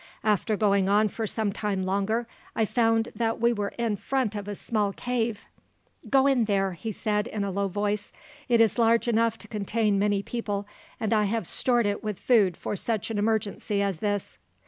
After going on for some time longer, I found that we were in front of a small cave. "`Go in there,' he said, in a low voice. `It is large enough to contain many people; and I have stored it with food for such an emergency as this.'